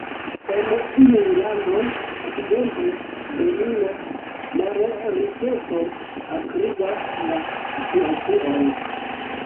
En iuj landoj – ekzemple Benino – malriĉeco akrigas la situacion.